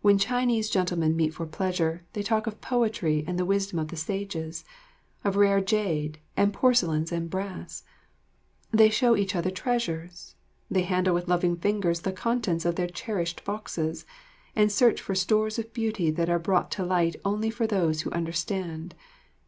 When Chinese gentlemen meet for pleasure, they talk of poetry and the wisdom of the sages, of rare jade and porcelains and brass. They show each other treasures, they handle with loving fingers the contents of their cherished boxes, and search for stores of beauty that are brought to light only for those who understand.